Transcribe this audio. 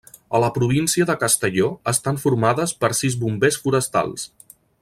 A la província de Castelló estan formades per sis bombers forestals.